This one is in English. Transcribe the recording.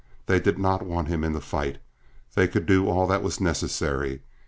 They didn't want him in the fight; they could do all that was necessary.